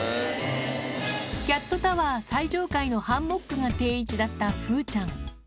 キャットタワー最上階のハンモックが定位置だった風ちゃん。